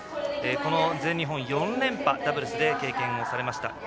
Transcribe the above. この全日本４連覇ダブルスで経験をされました